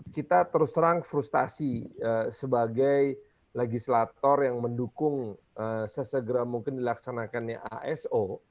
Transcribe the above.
kita terus terang frustasi sebagai legislator yang mendukung sesegera mungkin dilaksanakannya aso